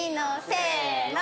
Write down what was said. せの。